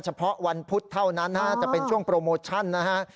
เฉพาะวันพุธเท่านั้นจะเป็นช่วงโปรโมชั่นนะฮะ